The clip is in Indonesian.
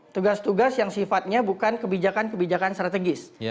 tugas tugas yang sifatnya bukan kebijakan kebijakan strategis